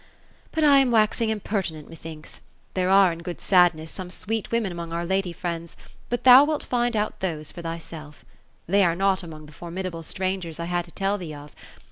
But I am waxing impertinent, methinks. There are, in good sadness, some sweet women among our lady friends, but thou wilt find those out for thyself. They nre not among the for midable strangers I had to tell thee of.